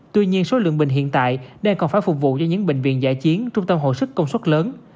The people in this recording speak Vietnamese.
tuy nhiên số lượng bình hiện tại đang còn phải phục vụ cho những bệnh viện giải chiến trung tâm hội sức công suất lớn